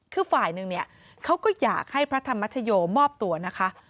คือฝ่ายหนึ่งเนี่ยเขาก็อยากให้พระธรรมชโยมอบตัวนะคะ